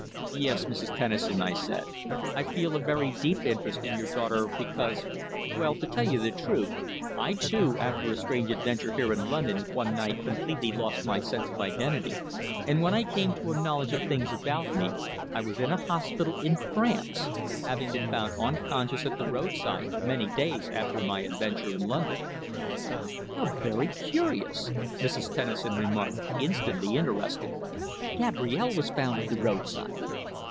"Yes, Mrs. Tennison," I said. "I feel a very deep interest in your daughter because well, to tell you the truth, I, too, after a strange adventure here in London one night completely lost my sense of identity, and when I came to a knowledge of things about me I was in a hospital in France, having been found unconscious at the roadside many days after my adventure in London." "How very curious!" Mrs. Tennison remarked, instantly interested. "Gabrielle was found at the roadside.